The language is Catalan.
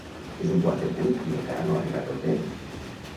És un quart de vuit i encara no ha arribat el tren.